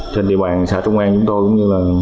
trên địa bàn xã trung an chúng tôi cũng như là